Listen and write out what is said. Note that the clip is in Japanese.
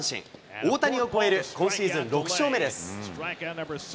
大谷を超える今シーズン６勝目です。